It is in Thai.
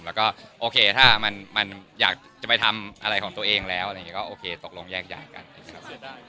แล้วก็โอเคถ้ามันอยากจะไปทำอะไรของตัวเองแล้วอะไรอย่างนี้ก็โอเคตกลงแยกย้ายกันใช่ไหมครับเสียดาย